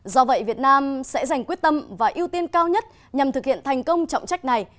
do vậy việt nam sẽ dành quyết tâm và ưu tiên cao nhất nhằm thực hiện thành công trọng trách này